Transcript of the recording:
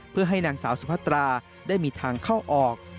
เพื่อให้นางสาวสุพัตราได้มีทางเข้าออก